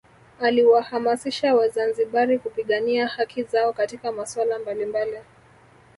Akiwahamasisha wazanzibari kupigania haki zao katika masuala mbalimbali